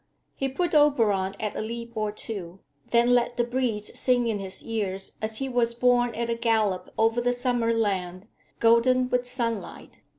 He put Oberon at a leap or two, then let the breeze sing in his ears as he was borne at a gallop over the summer land, golden with sunlight.